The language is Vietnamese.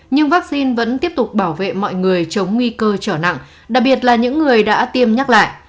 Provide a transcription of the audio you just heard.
nhưng vaccine vẫn tiếp tục bảo vệ mọi người chống nguy cơ trở nặng đặc biệt là những người đã tiêm nhắc lại